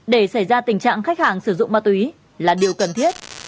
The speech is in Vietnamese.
để xảy ra tình trạng khách hàng sử dụng ma túy là điều cần thiết